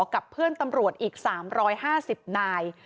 กับเพื่อนตำรวจอีก๓๕๐นาย